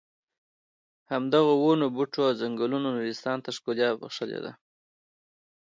همدغو ونو بوټو او ځنګلونو نورستان ته ښکلا بښلې ده.